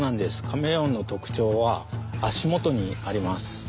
カメレオンの特徴はあしもとにあります。